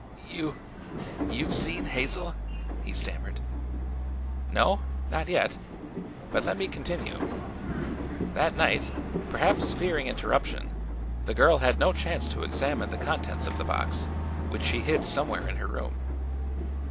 "You you've seen Hazel?" he stammered. "No; not yet. But let me continue. That night, perhaps fearing interruption, the girl had no chance to examine the contents of the box, which she hid somewhere in her room.